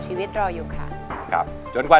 หนูรู้สึกดีมากเลยค่ะ